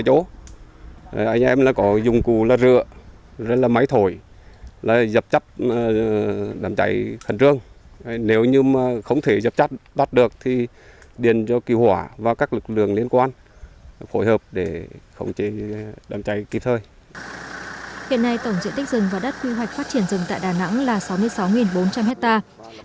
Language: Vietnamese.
hiện nay tổng diện tích rừng và đất quy hoạch phát triển rừng tại đà nẵng là sáu mươi sáu bốn trăm linh hectare